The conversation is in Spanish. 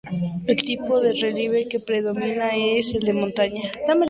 El tipo de relieve que predomina es el de montaña.